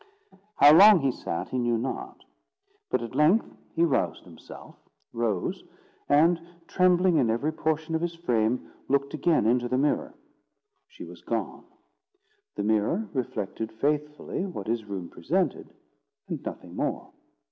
How long he sat he knew not; but at length he roused himself, rose, and, trembling in every portion of his frame, looked again into the mirror. She was gone. The mirror reflected faithfully what his room presented, and nothing more.